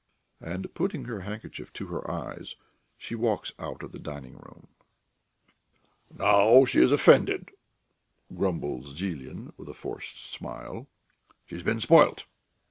And putting her handkerchief to her eyes, she walks out of the dining room. "Now she is offended," grumbles Zhilin, with a forced smile. "She's been spoilt....